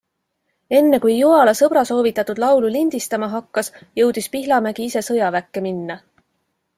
Enne kui Joala sõbra soovitatud laulu lindistama hakkas, jõudis Pihlamägi ise sõjaväkke minna.